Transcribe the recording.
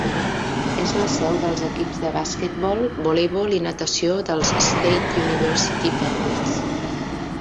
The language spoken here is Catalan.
Es la seu dels equips de basquetbol, voleibol i natació dels State University Penguins.